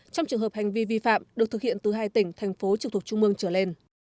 trong trường hợp hành vi vi phạm được thực hiện từ hai tỉnh thành phố trực thuộc trung mương trở lên